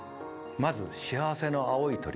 まず幸せの青い鳥。